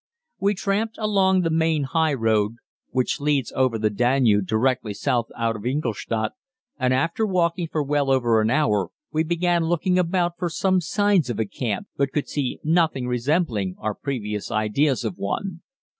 We tramped along the main high road which leads over the Danube directly south out of Ingolstadt, and after walking for well over an hour we began looking about for some signs of a camp, but could see nothing resembling our previous ideas of one.